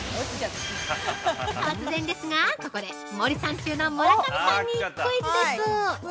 ◆突然ですがここで森三中の村上さんにクイズです。